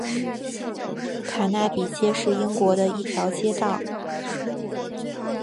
卡纳比街是英国的一条街道。